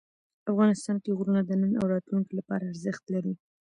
افغانستان کې غرونه د نن او راتلونکي لپاره ارزښت لري.